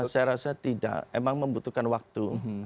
saya rasa tidak emang membutuhkan waktu